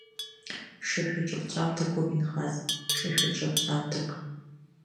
Шашәаҿаԥҵәамҭакоуп инхаз, шашәаҿаԥҵәамҭак…